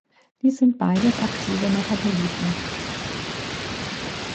Dies sind beides aktive Metaboliten.